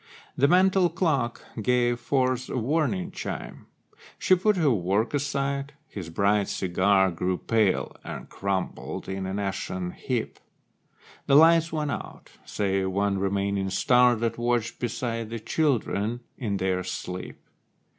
The mantel clock gave forth a warning chime. She put her work aside; his bright cigar Grew pale, and crumbled in an ashen heap. The lights went out, save one remaining star That watched beside the children in their sleep.